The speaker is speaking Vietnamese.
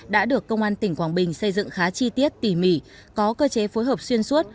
đã được công an tỉnh quảng bình xây dựng khá chi tiết tỉ mỉ có cơ chế phối hợp xuyên suốt